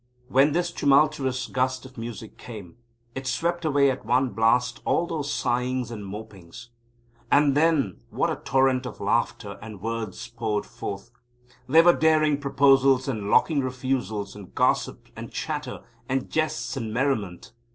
When this tumultous gust of music came, it swept away at one blast all those sighings and mopings. And then what a torrent of laughter and words poured forth! There were daring proposals and locking refusals, and gossip and chatter, and jests and merriment.